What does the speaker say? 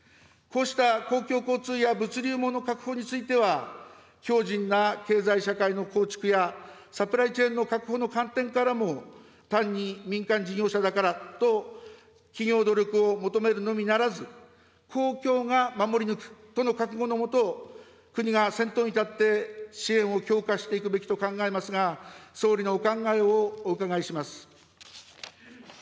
こうした公共交通や物流網の確保については、強じんな経済社会の構築や、サプライチェーンの確保の観点からも、単に民間事業者だからと企業努力を求めるのみならず、公共が守り抜くとの覚悟のもと、国が先頭に立って支援を強化していくべきと考えますが、総理のお考えをお伺いします。